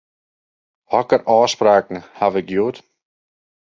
Hokker ôfspraken haw ik hjoed?